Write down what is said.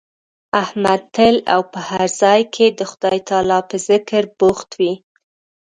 احمد تل او په هر ځای کې د خدای تعالی په ذکر بوخت وي.